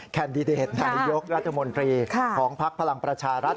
แคนดิเดตนายกรัฐมนตรีของภักดิ์พลังประชารัฐ